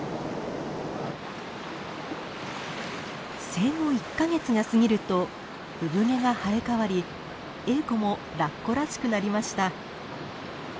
生後１か月が過ぎると産毛が生え変わりエーコもラッコらしくなりました。